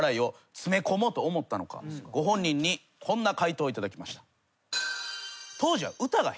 ご本人にこんな回答を頂きました。